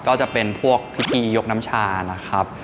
ก็จะเป็นพวกพิธียกน้ำชานะครับ